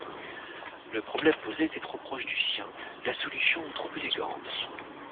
le problème posé était trop proche du sien, la solution trop élégante.